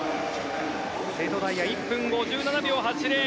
瀬戸大也、１分５７秒８０。